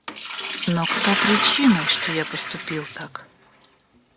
Но кто причиной, что я поступил так?